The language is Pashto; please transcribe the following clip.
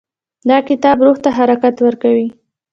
دا کتاب روح ته حرکت ورکوي.